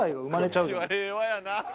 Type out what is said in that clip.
「こっちは平和やな」